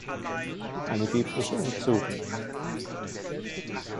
Eine biblische Untersuchung.